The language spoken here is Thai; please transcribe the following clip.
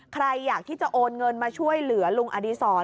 ใครอยากที่จะโอนเงินมาช่วยเหลือลุงอดีศร